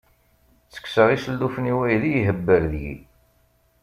Ttekkseɣ isellufen i waydi, ihebber deg-i.